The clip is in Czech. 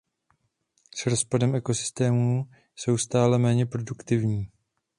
S rozpadem ekosystémů jsou stále méně produktivní.